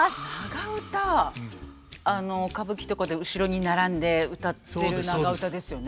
あの歌舞伎とかで後ろに並んでうたってる長唄ですよね。